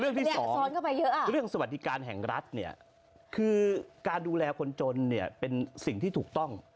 เรื่องสวัสดิการแห่งรัฐเนี่ยคือการดูแลคนจนเนี่ยเป็นสิ่งที่ถูกต้อง